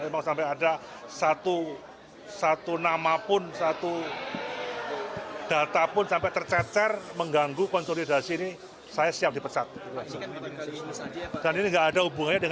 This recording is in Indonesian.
bukan tercecar ada yang buang